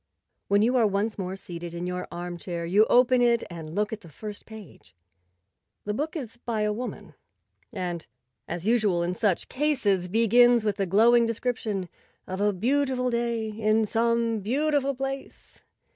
When you are once more seated in your armchair, you open it and look at the first page. The book is by a woman, and, as usual in such cases, begins with a glowing description of a beautiful day in some beautiful place.